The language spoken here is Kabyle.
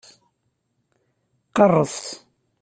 Qerres!